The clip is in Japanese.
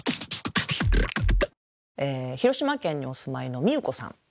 広島県にお住まいのみゆこさん